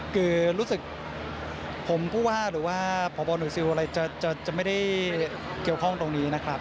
คือรู้สึกผมผู้ว่าหรือว่าพบหน่วยซิลอะไรจะไม่ได้เกี่ยวข้องตรงนี้นะครับ